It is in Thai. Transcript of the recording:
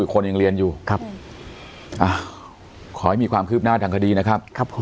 ขอให้มีความคืบหน้าทั้งคดีนะครับ